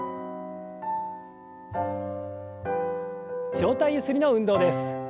上体ゆすりの運動です。